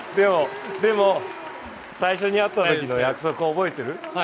でも最初に会ったときの約束覚えてる？